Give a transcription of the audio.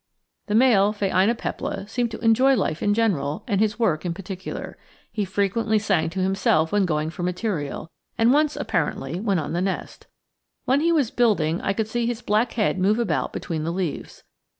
The male phainopepla seemed to enjoy life in general and his work in particular. He frequently sang to himself when going for material; and once, apparently, when on the nest. When he was building I could see his black head move about between the leaves.